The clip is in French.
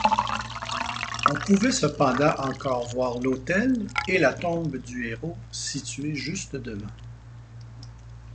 On pouvait cependant encore voir l'autel et la tombe du héros située juste devant.